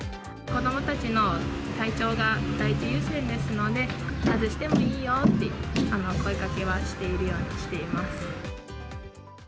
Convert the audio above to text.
子どもたちの体調が第一優先ですので、外してもいいよと、声かけはしているようにしています。